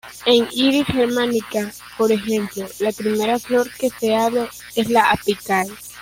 En "Iris germanica", por ejemplo, la primera flor que se abre es la apical.